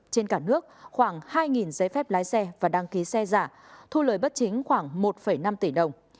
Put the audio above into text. trên cả nước khoảng hai giấy phép lái xe và đăng ký xe giả thu lời bất chính khoảng một năm tỷ đồng